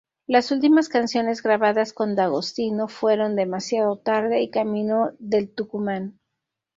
Las últimos canciones grabadas con D'Agostino fueron "Demasiado tarde" y "Camino del Tucumán".